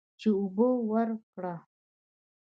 چې اوبه ورکړه.